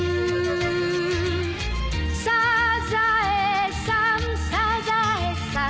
「サザエさんサザエさん」